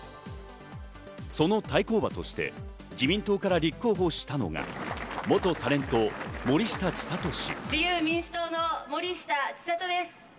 その対抗馬として自民党から立候補したのが元タレント、森下千里氏。